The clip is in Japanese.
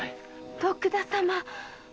徳田様。